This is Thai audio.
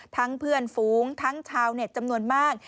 เพื่อนฝูงทั้งชาวเน็ตจำนวนมาก